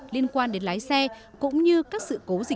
liên quan đến loại hình xe grab